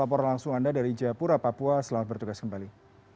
opor langsung anda dari japura papua selamat bertugas kembali